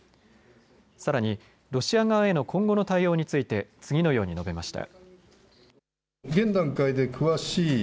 さらにロシア側への今後の対応について次のように述べました。